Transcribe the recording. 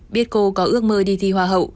biết cô có ước mơ đi thi hoa hậu